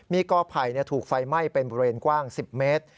มีกอไผ่ถูกไฟไหม้เป็นบริเวณกว้าง๑๐เมตร